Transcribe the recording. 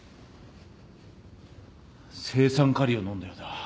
青酸カリを飲んだようだ。